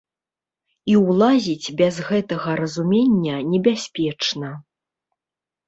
І ўлазіць без гэтага разумення небяспечна.